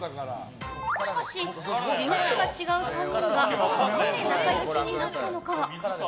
しかし、事務所が違う３人がなぜ仲良しになったのか。